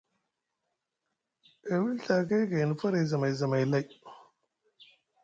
E wili Ɵaakay gayni faray zamay zamay lay.